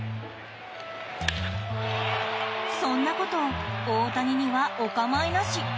そんなこと、大谷にはお構いなし。